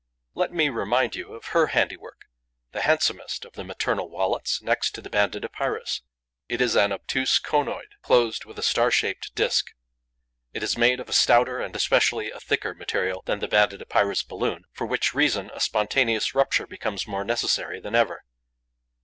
Let me remind you of her handiwork, the handsomest of the maternal wallets, next to the Banded Epeira's. It is an obtuse conoid, closed with a star shaped disk. It is made of a stouter and especially a thicker material than the Banded Epeira's balloon, for which reason a spontaneous rupture becomes more necessary than ever.